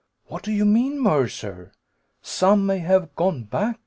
"What do you mean. Mercer? 'Some may have gone back?'